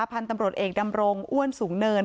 พันธุ์ตำรวจเอกดำรงอ้วนสูงเนิน